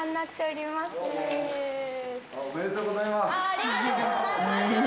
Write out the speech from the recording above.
ありがとうございます。